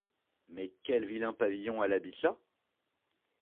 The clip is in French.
Mais quel vilain pavillon elle habite là !